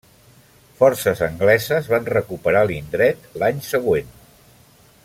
Forces angleses van recuperar l'indret l'any següent.